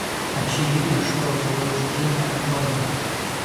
Очевидно, что заблуждение огромно.